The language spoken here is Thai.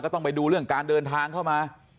ต้องไปดูเรื่องการเดินทางเข้ามา